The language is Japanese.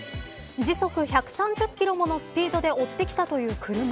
時速１３０キロものスピードで追ってきたという車。